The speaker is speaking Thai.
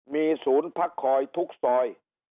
มีศูนย์พักคอยทุกซอย